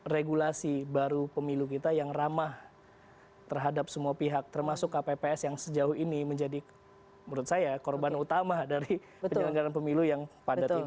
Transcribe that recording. regulasi baru pemilu kita yang ramah terhadap semua pihak termasuk kpps yang sejauh ini menjadi menurut saya korban utama dari penyelenggaran pemilu yang padat ini